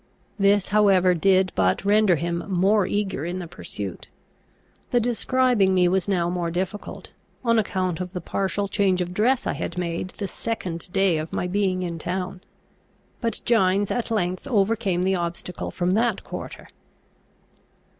This however did but render him more eager in the pursuit. The describing me was now more difficult, on account of the partial change of dress I had made the second day of my being in town. But Gines at length overcame the obstacle from that quarter.